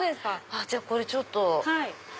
じゃあこれちょっと。